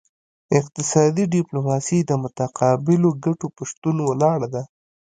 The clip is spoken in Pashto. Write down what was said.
اقتصادي ډیپلوماسي د متقابلو ګټو په شتون ولاړه ده